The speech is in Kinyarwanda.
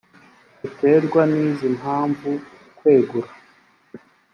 biterwa n izi mpamvu kwegura